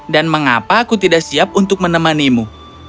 dan mengapa aku tidak siap untuk menemanimu